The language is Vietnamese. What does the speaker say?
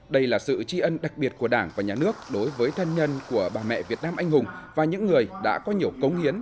đây là sự tri ân đặc biệt của đảng và nhà nước đối với thân nhân của bà mẹ việt nam anh hùng và những người đã có nhiều cống hiến